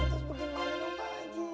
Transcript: terus pergi panggil neng pak haji